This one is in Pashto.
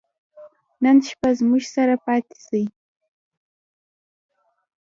نن شپه زموږ سره پاته سئ.